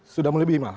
sudah melebihi ma